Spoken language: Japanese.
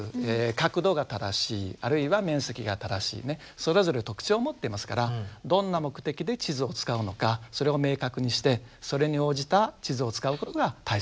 角度が正しいあるいは面積が正しいそれぞれ特徴を持っていますからどんな目的で地図を使うのかそれを明確にしてそれに応じた地図を使うことが大切です。